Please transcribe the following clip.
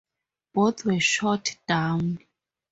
Both were shot down.